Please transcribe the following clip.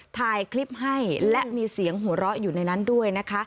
ถ่ายคลิปให้และมีเสียงหัวเราะอยู่ในนั้นด้วยนะคะ